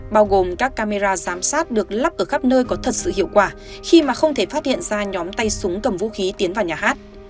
bao gồm các camera giám sát được lắp ở khắp nơi có thật sự hiệu quả khi mà không thể phát hiện ra nhóm tay súng cầm vũ khí tiến vào nhà hát